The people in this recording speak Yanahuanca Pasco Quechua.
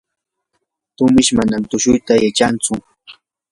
tumish manam tushuyta yachantsu.